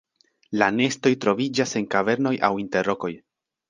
La nestoj troviĝas en kavernoj aŭ inter rokoj.